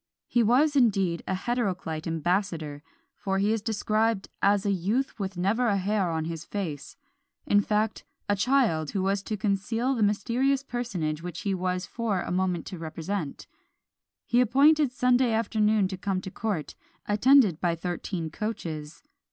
He was indeed an heteroclite ambassador, for he is described "as a youth with never a hair on his face;" in fact, a child who was to conceal the mysterious personage which he was for a moment to represent. He appointed Sunday afternoon to come to court, attended by thirteen coaches.